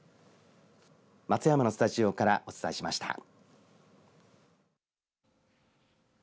松山のスタジオからお伝えしました。